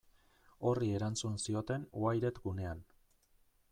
Horri erantzun zioten Wired gunean.